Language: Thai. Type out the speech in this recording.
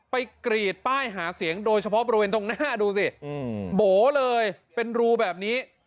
กรีดป้ายหาเสียงโดยเฉพาะบริเวณตรงหน้าดูสิโบ๋เลยเป็นรูแบบนี้